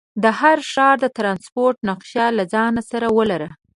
د هر ښار د ټرانسپورټ نقشه له ځان سره ولره.